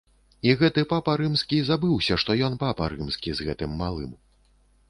І гэты папа рымскі забыўся, што ён папа рымскі, з гэтым малым.